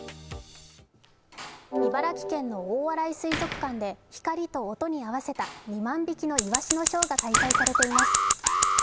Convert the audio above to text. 茨城県の大洗水族館で光と音に合わせた２万匹のイワシのショーが開催されています。